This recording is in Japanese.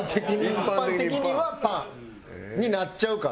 一般的にはパンになっちゃうから。